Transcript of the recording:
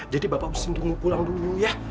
jadi bapak harus tunggu pulang dulu ya